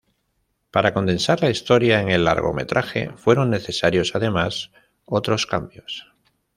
Para condensar la historia en el largometraje fueron necesarios además otros cambios.